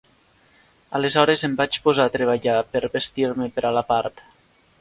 Aleshores em vaig posar a treballar per vestir-me per a la part.